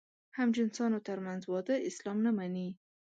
همجنسانو تر منځ واده اسلام نه مني.